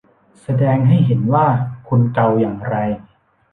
แสดงให้เห็นว่าคุณเกาอย่างไร